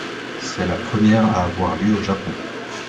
C'est la première à avoir lieu au Japon.